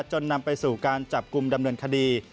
จนนำไปสู่การจับกลุ่มดำเนินคดี